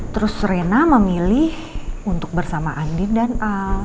terus rena memilih untuk bersama andin dan a